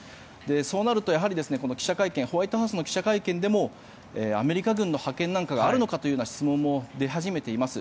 そうなるとホワイトハウスの記者会見でもアメリカ軍の派遣なんかがあるのかという質問も出始めています。